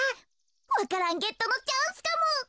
わか蘭ゲットのチャンスかも。